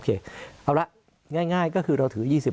เอาละง่ายก็คือเราถือ๒๐